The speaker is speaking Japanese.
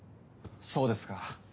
そうですか。